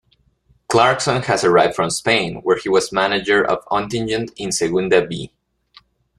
Clarkson has arrived from Spain where he was manager of Ontinyent in Segunda B.